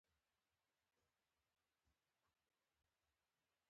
د ځمکو خاوندانو نه شوای کولای خپلې ځمکې وپلوري.